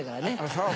そう。